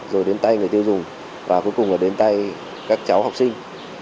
rồi đến tay người tiêu dùng và cuối cùng là đến tay các cháu học sinh